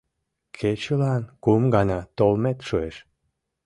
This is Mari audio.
Кечылан кум гана толмет шуэш.